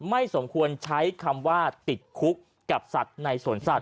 ไม่สมควรใช้คำว่าติดคุกกับสัตว์ในสวนสัตว